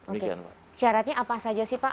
oke syaratnya apa saja sih pak